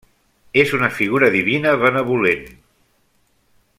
És una figura divina benevolent.